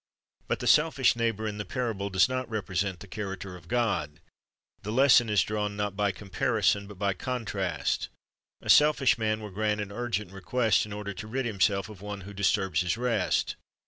But the selfish neighbor in the parable does not repre sent the character of God. The lesson is drawn, not by comparison, but by. contrast. A selfish man will grant an urgent request, in order to rid himself of one who disturbs his rest.